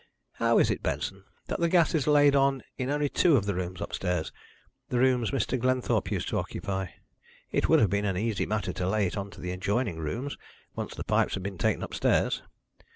How is it, Benson, that the gas is laid on in only two of the rooms upstairs the rooms Mr. Glenthorpe used to occupy? It would have been an easy matter to lay it on to the adjoining rooms, once the pipes had been taken upstairs."